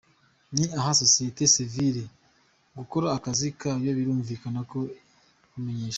Ni aha sosiyete sivile gukora akazi kayo, birumvikana ko kumenyesha.